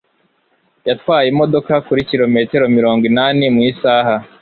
Yatwaye imodoka kuri kilometero mirongo inani mu isaha.